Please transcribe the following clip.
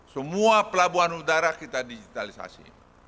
semua pelabuhan udara kita digitalisasi